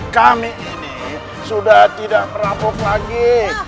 kami ini sudah tidak merapok lagi